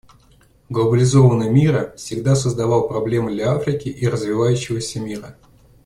Глобализованный мира всегда создавал проблемы для Африки и развивающегося мира.